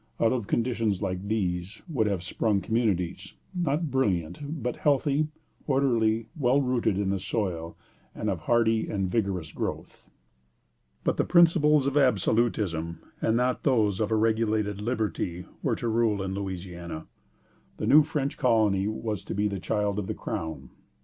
Out of conditions like these would have sprung communities, not brilliant, but healthy, orderly, well rooted in the soil, and of hardy and vigorous growth. But the principles of absolutism, and not those of a regulated liberty, were to rule in Louisiana. The new French colony was to be the child of the Crown.